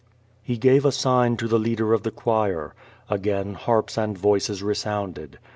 He gave a sign to the leader of the choir. Again harps and voices resounded.